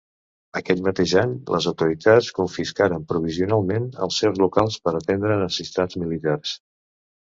Aquell mateix any les autoritats confiscaren provisionalment els seus locals per atendre necessitats militars.